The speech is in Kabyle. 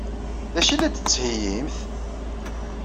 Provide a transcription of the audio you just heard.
D acu ay la d-tettheyyimt?